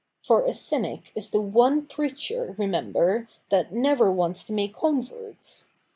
For a cynic is the one preacher, remember, that never wants to make converts.